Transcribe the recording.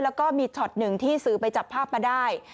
แล้วก็มีช็อต๑ที่ซื้อไปจับภาพมาได้